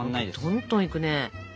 とんとんいくね。